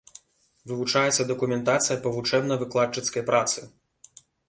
Вывучаецца дакументацыя па вучэбна-выкладчыцкай працы.